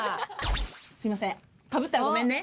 すいませんかぶったらごめんね。